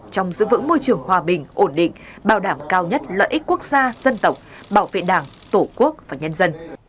trong giữ vững môi trường hòa bình ổn định bảo đảm cao nhất lợi ích quốc gia dân tộc bảo vệ đảng tổ quốc và nhân dân